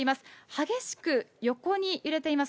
激しく横に揺れています。